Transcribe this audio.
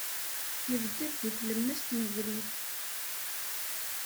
Yebded deg tlemmast n ubrid.